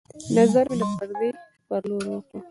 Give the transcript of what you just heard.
نظر مې د پردې په لورې وکړ